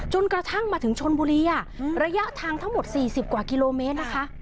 กระทั่งมาถึงชนบุรีระยะทางทั้งหมด๔๐กว่ากิโลเมตรนะคะ